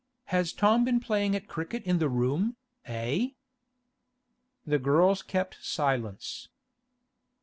Has Tom been playing at cricket in the room, eh?' The girls kept silence.